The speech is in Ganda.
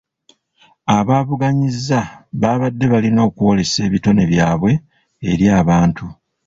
Abaavuganyizza baabadde balina okwolesa ebitone byabwe eri abantu.